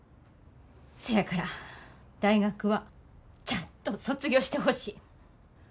せやから大学はちゃんと卒業してほしい。